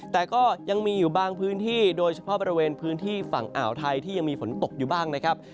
แต่ก็ยังมีอยู่บางพื้นที่โดยเฉพาะบริเวณพื้นที่ฝั่งอ่าวไทยที่ยังมีฝนตกอยู่บ้างนะครับ